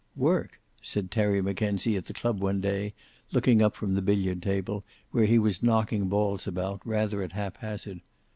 "Work?" said Terry Mackenzie, at the club one day, looking up from the billiard table, where he was knocking balls about, rather at haphazard.